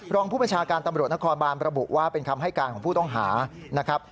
รองผู้บัญชาการตำรวจนครบานประบุว่าเป็นคำให้การของผู้ต้องหานะครับ